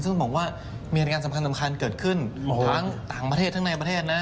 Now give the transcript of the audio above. ซึ่งบอกว่ามีรายการสำคัญเกิดขึ้นทั้งต่างประเทศทั้งในประเทศนะ